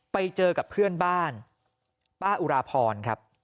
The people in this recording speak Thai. ไปเจอกับเพื่อนบ้านป้าอุราพรครับ